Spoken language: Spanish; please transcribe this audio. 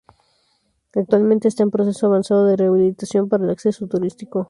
Actualmente está en proceso avanzado de rehabilitación para el acceso turístico.